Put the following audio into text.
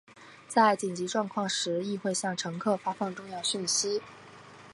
在紧急状况时亦会向乘客发放重要讯息。